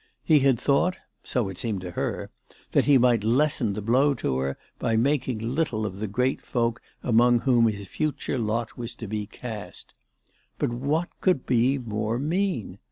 He had thought, so it seemed to her, that he might lessen the blow to her by making little of the great folk among 'whom his future lot was to be cast. But what could be more mean